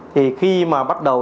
thì khi mà bắt đầu